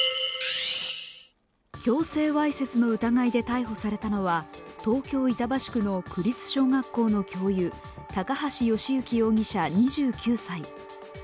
強制わいせつの疑いで逮捕されたのは、東京・板橋区の区立小学校の教諭高橋慶行容疑者２９歳。